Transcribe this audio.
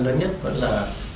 lớn nhất vẫn là